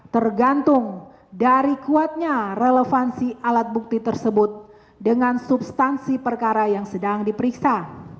tergantung dari kuatnya relevansi alat bukti tersebut dengan substansi perkara yang sedang diperiksa